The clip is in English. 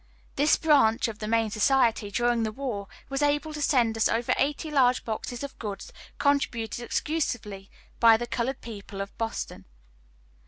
This branch of the main society, during the war, was able to send us over eighty large boxes of goods, contributed exclusively by the colored people of Boston.